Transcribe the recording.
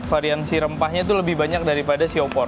variasi rempahnya tuh lebih banyak daripada si opor